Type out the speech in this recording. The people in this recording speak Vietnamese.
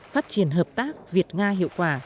phát triển hợp tác việt nga hiệu quả